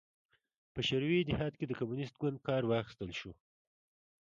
په شوروي اتحاد کې د کمونېست ګوند کار واخیستل شو.